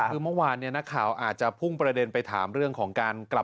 คือเมื่อวานเนี่ยนักข่าวอาจจะพุ่งประเด็นไปถามเรื่องของการกลับ